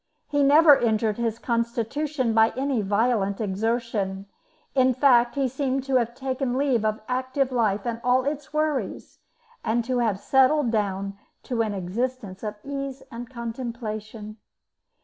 He never injured his constitution by any violent exertion; in fact, he seemed to have taken leave of active life and all its worries, and to have settled down to an existence of ease and contemplation.